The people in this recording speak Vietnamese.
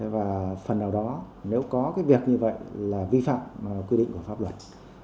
và phần nào đó nếu có cái việc như vậy là vi phạm quy định của pháp luật